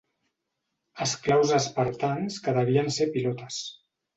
Esclaus espartans que devien ser pilotes.